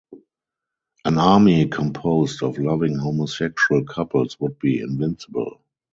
An army composed of loving homosexual couples would be invincible.